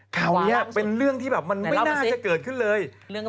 คราวนี้เป็นเรื่องที่แบบมันไม่น่าจะเกิดขึ้นเลย